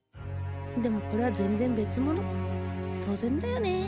でもこれは全然別物当然だよね